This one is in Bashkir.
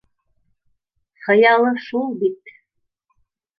Хыялы шул бит